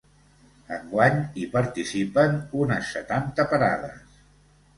Enguany, hi participen unes setanta parades.